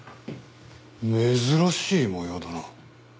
珍しい模様だな。